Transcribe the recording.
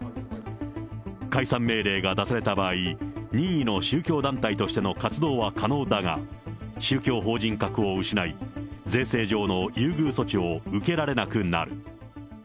解散命令が出された場合、任意の宗教団体としての活動は可能だが、宗教法人格を失い、税制上の優遇措置を受けられなくなる。